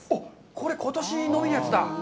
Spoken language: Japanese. これ、ことしのみのやつだ。